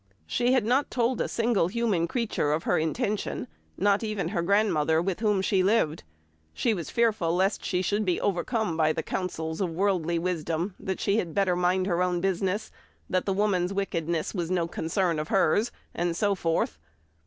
She had not told a single human creature of her intention, not even her grandmother, with whom she lived. She was fearful lest she should be overcome by the counsels of worldly wisdom that she had better mind her own business, that the woman's wickedness was no concern of hers, and so forth.